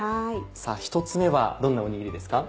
さぁ１つ目はどんなおにぎりですか？